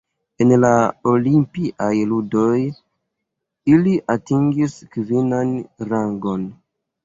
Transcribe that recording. En la Olimpiaj ludoj ili atingis kvinan rangon.